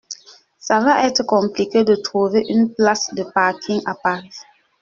Ça va être compliqué de trouver une place de parking à Paris.